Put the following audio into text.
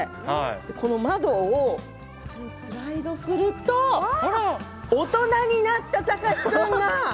この窓をスライドすると大人になった貴司君が。